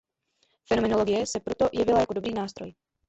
Fenomenologie se pro to jevila jako dobrý nástroj.